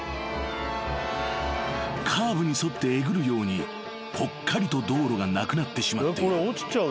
［カーブに沿ってえぐるようにぽっかりと道路がなくなってしまっている］